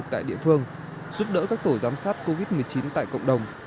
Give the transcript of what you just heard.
tại địa phương giúp đỡ các tổ giám sát covid một mươi chín tại cộng đồng